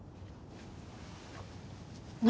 何？